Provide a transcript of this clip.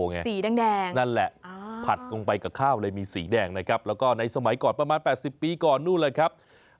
สีแดงนั่นแหละผัดลงไปกับข้าวเลยมีสีแดงนะครับแล้วก็ในสมัยก่อนประมาณ๘๐ปีก่อนนู่นเลยครับ